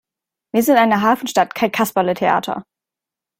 Wir sind eine Hafenstadt, kein Kasperletheater!